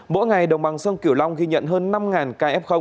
mỗi ngày đồng bằng sông kiểu long ghi nhận hơn năm kf